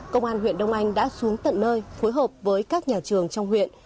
công an huyện đông anh đã xuống tận nơi phối hợp với các nhà trường trong huyện